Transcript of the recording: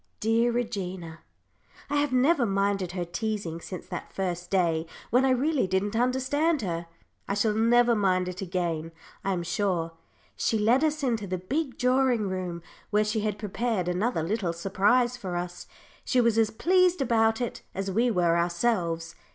Dear Regina! I have never minded her teasing since that first day, when I really didn't understand her. I shall never mind it again, I am sure. She led us into the big drawing room, where she had prepared another little surprise for us. She was as pleased about it as we were ourselves.